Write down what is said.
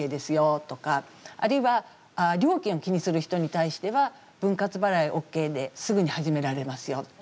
あるいは料金を気にする人に対しては「分割払いＯＫですぐに始められますよ」とか。